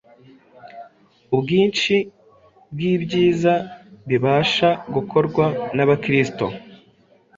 Ubwinshi bw’ibyiza bibasha gukorwa n’Abakristo